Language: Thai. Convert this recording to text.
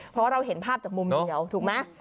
เพราะว่าเราเห็นภาพจากมุมเดียวถูกไหม